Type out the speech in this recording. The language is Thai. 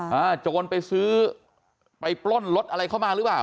โจรไปซื้อไปปล้นรถอะไรเข้ามาหรือเปล่า